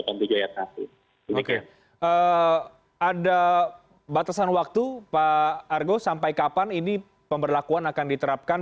oke ada batasan waktu pak argo sampai kapan ini pemberlakuan akan diterapkan